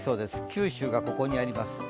九州がここにあります。